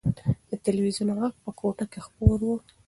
د تلویزون غږ په کوټه کې خپور و.